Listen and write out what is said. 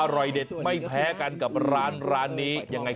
อร่อยเด็ดไม่แพ้กันกับร้านนี้ยังไง